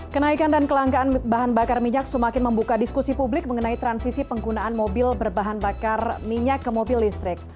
kenaikan dan kelangkaan bahan bakar minyak semakin membuka diskusi publik mengenai transisi penggunaan mobil berbahan bakar minyak ke mobil listrik